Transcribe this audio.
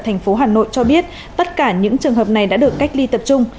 thành phố hà nội cho biết tất cả những trường hợp này đã được cách ly tập trung